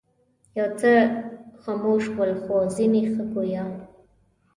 یو څه خموش ول خو ځینې ښه ګویا.